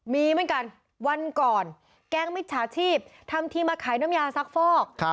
มีเหมือนกันวันก่อนแก๊งมิจฉาชีพทำทีมาขายน้ำยาซักฟอก